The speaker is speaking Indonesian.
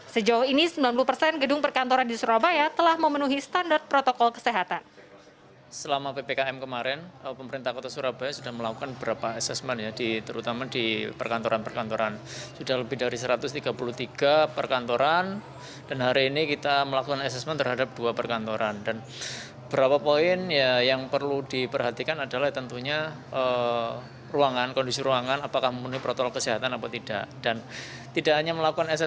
sejauh ini sembilan puluh persen gedung perkantoran di surabaya telah memenuhi standar protokol kesehatan